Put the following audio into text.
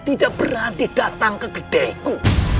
tidak berani datang ke kedaiku